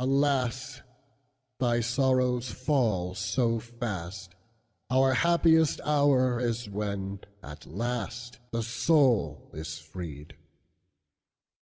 Alas! thy sorrows fall so fast, Our happiest hour is when at lastThe soul is freed.